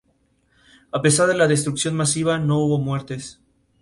A pesar de la destrucción masiva, no hubo muertes.